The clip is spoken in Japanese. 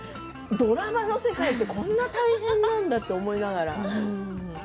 ドラマの世界ってこんなに大変なんだと思いながら。